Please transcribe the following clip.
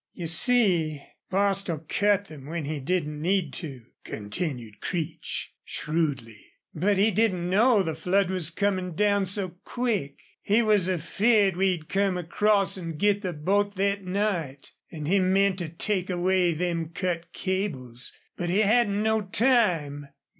"You see, Bostil cut them when he didn't need to," continued Creech, shrewdly. "But he didn't know the flood was comin' down so quick. He was afeared we'd come across an' git the boat thet night. An' he meant to take away them cut cables. But he hadn't no time."